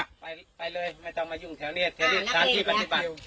ไปเลยไม่ต้องมายุ่งแถวเนี่ย